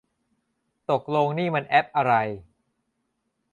ตกลงนี่มันแอปอะไร